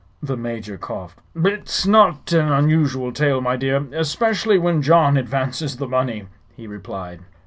The Major coughed. "It's not an unusual tale, my dear; especially when John advances the money," he replied.